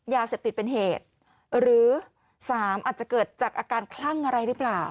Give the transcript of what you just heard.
ยาเสพติดเป็นเหตุหรือสามอาจจะเกิดจากอาการคลั่งอะไรหรือเปล่า